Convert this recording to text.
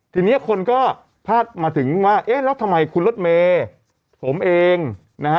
ทีนี้คนก็พาดมาถึงว่าเอ๊ะแล้วทำไมคุณรถเมย์ผมเองนะฮะ